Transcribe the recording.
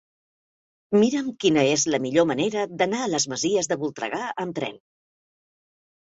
Mira'm quina és la millor manera d'anar a les Masies de Voltregà amb tren.